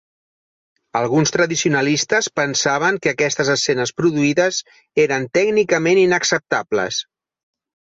Alguns tradicionalistes pensaven que aquestes escenes produïdes eren "tècnicament inacceptables".